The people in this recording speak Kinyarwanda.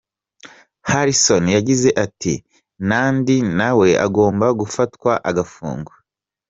Harrison yagize ati:“Nandy na we agomba gufatwa agafungwa”.